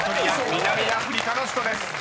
南アフリカの首都です］